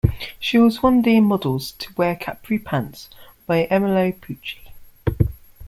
She was one of the models to wear capri pants by Emilio Pucci.